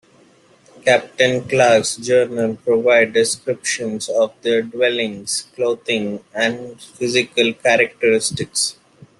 Captain Clark's journals provide descriptions of their dwellings, clothing, and physical characteristics.